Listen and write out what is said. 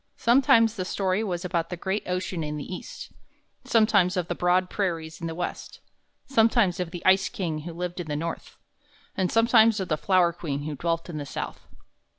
Sometimes the story was about the great ocean in the East, sometimes of the broad prairies in the West, sometimes of the ice king who lived in the North, and sometimes of the flower queen who dwelt in the South.